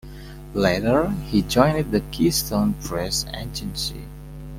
Later, he joined the Keystone Press Agency.